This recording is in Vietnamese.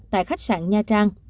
tại khách sạn nha trang